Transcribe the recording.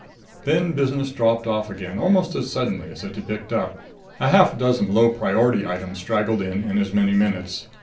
Then business dropped off again almost as suddenly as it had picked up. A half dozen low priority items straggled in, in as many minutes.